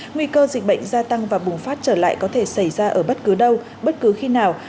nguy cơ dịch bệnh gia tăng và bùng phát trở lại có thể xảy ra ở bất cứ đâu bất cứ khi nào